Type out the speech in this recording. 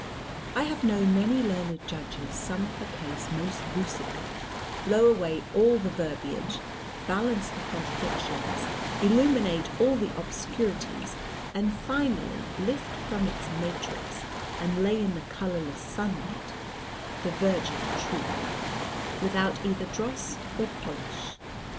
I have known many learned judges sum up a case most lucidly, blow away all the verbiage, sweep aside all the false issues, balance the contradictions, illuminate all the obscurities, and finally lift from its matrix, and lay in the colourless sunlight the virgin truth, without either dross or polish.